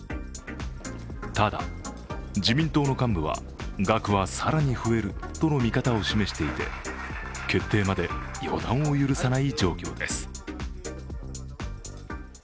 ただ、自民党の幹部は額は更に増えるとの見方を示していて決定まで予断を許さない状況です。